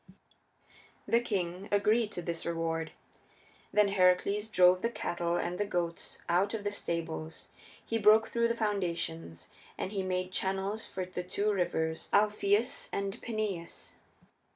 The king agreed to this reward. Then Heracles drove the cattle and the goats out of the stables; he broke through the foundations and he made channels for the two rivers Alpheus and Peneius.